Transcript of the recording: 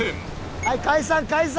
はい解散解散！